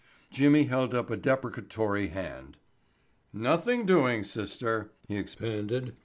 Jimmy held up a deprecatory hand. "Nothing doing, sister," he expanded.